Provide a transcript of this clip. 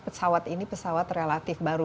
pesawat ini pesawat relatif baru